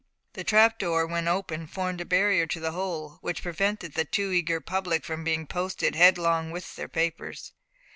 The trap door, when open, formed a barrier to the hole, which prevented the too eager public from being posted headlong with their papers.